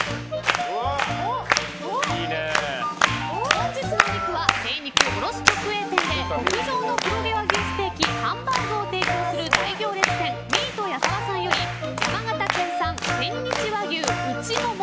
本日のお肉は精肉卸直営店で極上の黒毛和牛ステーキ・ハンバーグを提供する大行列店、ミート矢澤さんより山形県産、千日和牛、内モモ